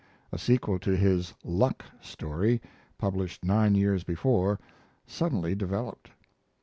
A sequel to his "Luck" story, published nine years before, suddenly developed.